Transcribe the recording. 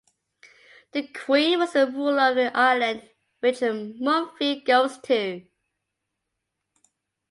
The queen was the ruler of the island which Mumfie goes to.